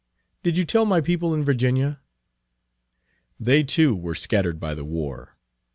"Did you tell my people in Virginia?" "They, too, were scattered by the war.